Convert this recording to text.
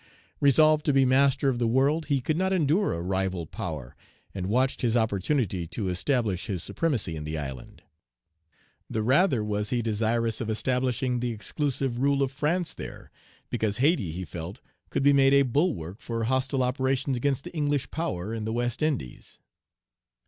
Resolved to be master of the world, he could not endure a rival power, and watched his opportunity to establish his supremacy in the island. The rather was he desirous of establishing the exclusive rule of France there, because Hayti, he felt, could be made a bulwark for hostile operations against the English power in the West Indies.